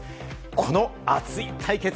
この熱い対決。